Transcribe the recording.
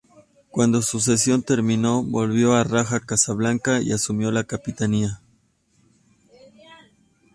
Cuando su cesión terminó, volvió al Raja Casablanca y asumió la capitanía.